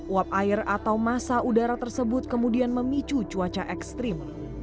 uap air atau masa udara tersebut kemudian memicu cuaca ekstrim